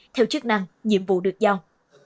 theo chức năng nhiệm vụ được giao